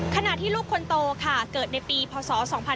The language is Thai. ขณะที่ลูกคนโตค่ะเกิดในปีพศ๒๕๕๙